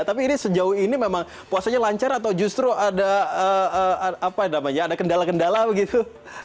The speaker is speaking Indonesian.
tapi ini sejauh ini memang puasanya lancar atau justru ada kendala kendala begitu